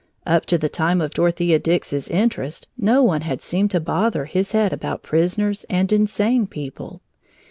Up to the time of Dorothea Dix's interest, no one had seemed to bother his head about prisoners and insane people.